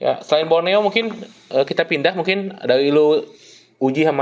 ya selain borneo mungkin kita pindah mungkin dari lu kemana mana ya